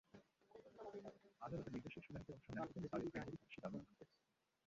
আদালতের নির্দেশে শুনানিতে অংশ নেন দুদকের আরেক আইনজীবী খুরশিদ আলম খান।